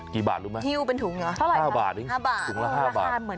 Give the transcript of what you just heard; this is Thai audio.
กี่บาทรู้มั้ยหิวเป็นถุงเหรอ๕บาทถุงละ๕บาท